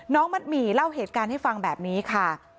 มัดหมี่เล่าเหตุการณ์ให้ฟังแบบนี้ค่ะ